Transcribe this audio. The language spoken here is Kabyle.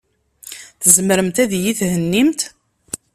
Tzemremt ad iyi-thennimt?